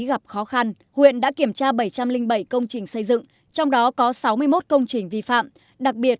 gặp khó khăn huyện đã kiểm tra bảy trăm linh bảy công trình xây dựng trong đó có sáu mươi một công trình vi phạm đặc biệt